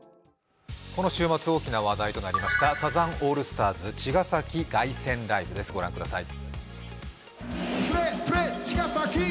この週末大きな話題となりましたサザンオールスターズ茅ヶ崎凱旋ライブ、ご覧ください。